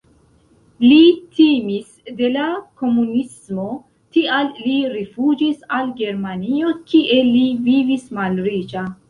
Li timis de la komunismo, tial li rifuĝis al Germanio, kie li vivis malriĉa.